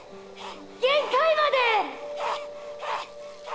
限界まで！